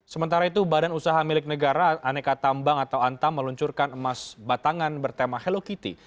sementara itu badan usaha milik negara aneka tambang atau antam meluncurkan emas batangan bertema hello kitty